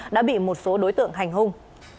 đã bị một số đối tượng hành hung